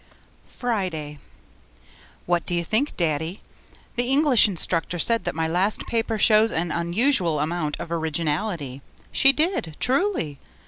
Friday What do you think, Daddy? The English instructor said that my last paper shows an unusual amount of originality. She did, truly.